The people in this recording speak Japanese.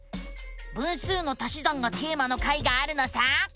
「分数の足し算」がテーマの回があるのさ！